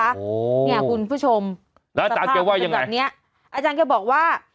อ้าววววเนี่ยคุณผู้ชมสภาพมันเป็นแบบนี้และอาจารย์จะบอกว่า